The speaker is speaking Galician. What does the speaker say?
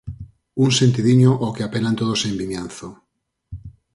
Un sentidiño ao que apelan todos en Vimianzo.